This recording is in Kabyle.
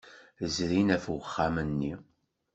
Zrin ɣef uxxam-nni.